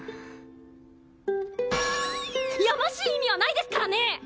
やましい意味はないですからね！